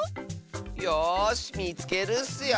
よしみつけるッスよ。